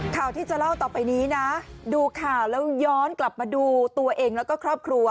ข่าวที่จะเล่าต่อไปนี้นะดูข่าวแล้วย้อนกลับมาดูตัวเองแล้วก็ครอบครัว